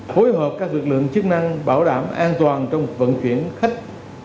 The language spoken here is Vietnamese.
phối hợp các lực lượng chức năng bảo đảm an toàn trong vận chuyển khách